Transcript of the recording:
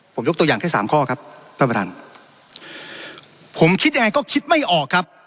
ผมยกตัวอย่างแค่สามข้อครับท่านประธานผมคิดยังไงก็คิดไม่ออกครับ